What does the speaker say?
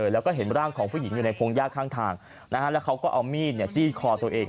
แล้วก็เห็นร่างของผู้หญิงอยู่ในพงยากข้างทางแล้วเขาก็เอามีดจี้คอตัวเอง